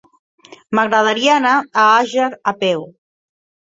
M'agradaria anar a Àger a peu.